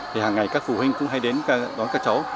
thì hàng ngày các phụ huynh cũng hay đến đón các cháu